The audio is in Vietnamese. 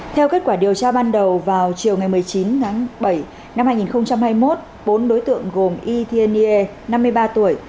theo kết quả điều tra ban đầu vào chiều một mươi chín bảy hai nghìn hai mươi một bốn đối tượng gồm y thiên nghê năm mươi ba tuổi